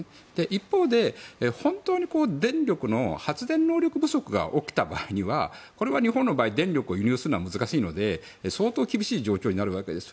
一方で本当に電力の発電能力不足が起きた場合にはこれは日本の場合電力を輸入するのは難しいので相当厳しい状況になるわけです。